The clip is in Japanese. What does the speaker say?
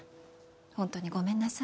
ホントにごめんなさ